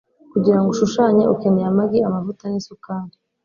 Kugira ngo ushushanye, ukeneye amagi, amavuta nisukari.